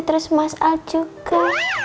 terus mas al juga